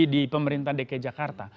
di pemerintahan dki jakarta